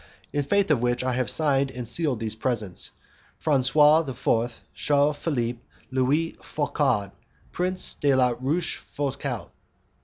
In faith of which I have signed and sealed these presents: Francois VI. Charles Philippe Louis Foucaud, Prince de la Rochefoucault."